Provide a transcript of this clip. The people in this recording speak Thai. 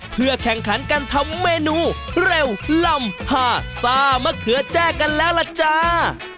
เพื่อแข่งขันการทำเมนูเร็วลำพาซ่ามะเขือแจ้กันแล้วล่ะจ้า